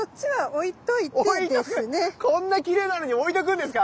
置いとく⁉こんなきれいなのに置いとくんですか？